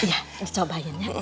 iya dicobain ya